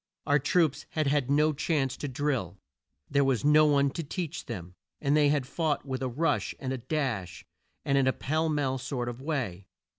Our troops had had no chance to drill, there was no one to teach them, and they had fought with a rush and a dash, and in a pell mell sort of way.